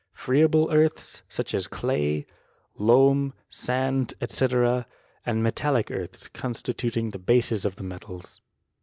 friable earths, such as cla^, loam, sand, &c.,and metallic earths constituting the bases of the metals.